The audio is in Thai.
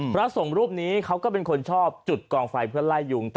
พระสงฆ์รูปนี้เขาก็เป็นคนชอบจุดกองไฟเพื่อไล่ยุง